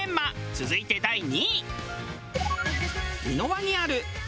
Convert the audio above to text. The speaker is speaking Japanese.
続いて第２位。